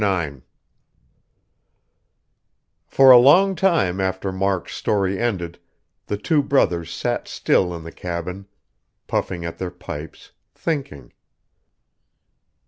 IX For a long time after Mark's story ended, the two brothers sat still in the cabin, puffing at their pipes, thinking....